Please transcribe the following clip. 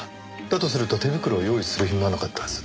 だとすると手袋を用意する暇はなかったはず。